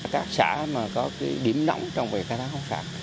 các xã mà có điểm nóng trong khai thác hoa sản